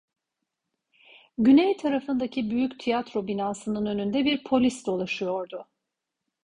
Güney tarafındaki büyük tiyatro binasının önünde bir polis dolaşıyordu.